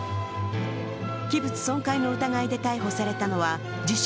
器物損壊の疑いで逮捕されたのは自称・